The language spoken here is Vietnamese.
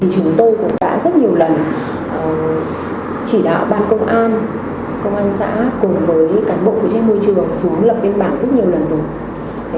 chúng tôi cũng đã rất nhiều lần chỉ đạo ban công an công an xã cùng với cán bộ phụ trách môi trường xuống lập biên bản rất nhiều lần rồi